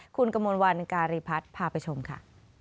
คุณกมลวันการีพัฒน์พาไปชมค่ะ